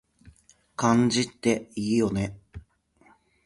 漢字っていいよね